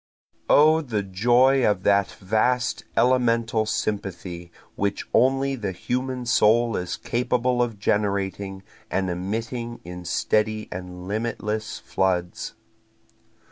O the joy of that vast elemental sympathy which only the human soul is capable of generating and emitting in steady and limitless floods.